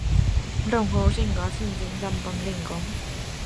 许耀元汾湖高新区北厍人。